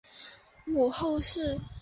母侯氏。